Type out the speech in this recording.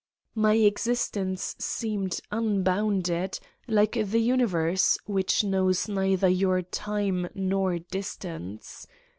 My existence seemed unbounded, like the uni verse, which knows neither your time nor dis tance.